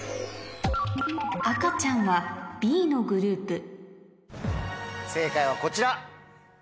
「赤ちゃん」はＢのグループ正解はこちら！